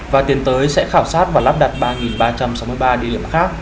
và tiến tới sẽ khảo sát và lắp đặt ba ba trăm sáu mươi ba địa điểm khác